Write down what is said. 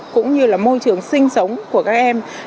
cũng như là môi trường sinh sống của các em